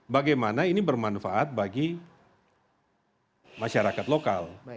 bagaimana ini bermanfaat bagi masyarakat lokal